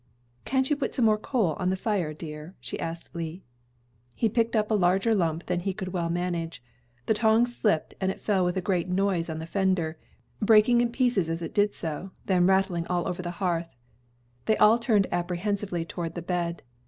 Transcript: "Can't you put some more coal on the fire, dear?" she asked Lee. He picked up a larger lump than he could well manage. The tongs slipped, and it fell with a great noise on the fender, breaking in pieces as it did so, then rattling over the hearth. They all turned apprehensively toward the bed.